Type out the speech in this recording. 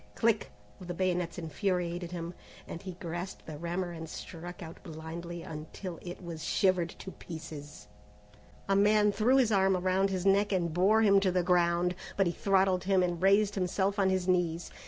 click! of bayonets infuriated him, and he grasped the rammer and struck out blindly until it was shivered to pieces. A man threw his arm around his neck and bore him to the ground, but he throttled him and raised himself on his knees.